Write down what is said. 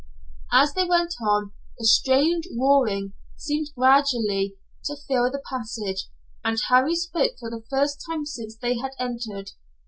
As they went on a strange roaring seemed gradually to fill the passage, and Harry spoke for the first time since they had entered.